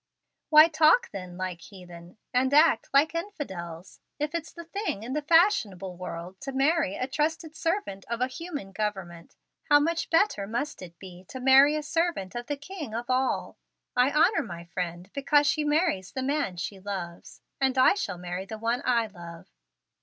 "Why talk, then, like heathen, and act like infidels? If it's the thing in the fashionable world to marry a trusted servant of a human government, how much better must it be to marry a servant of the King of All! I honor my friend because she marries the man she loves, and I shall marry the one I love.